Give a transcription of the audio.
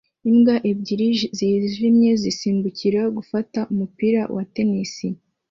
imbwa ebyiri zijimye zisimbuka gufata umupira wa tennis